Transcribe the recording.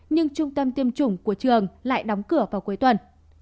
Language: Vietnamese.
nhưng trung tâm tiêm chủng của trường lại đóng cửa vào cuối tuần